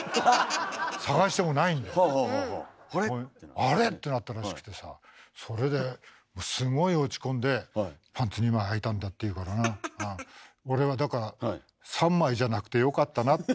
捜してもないんで「あれ？」ってなったらしくてさそれですごい落ち込んでパンツ２枚はいたんだって言うからな俺はだからあいいですね。